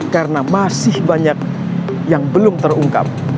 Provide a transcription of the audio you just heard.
karena masih banyak yang belum terungkap